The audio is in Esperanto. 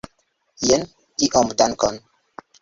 Jes, iom, dankon.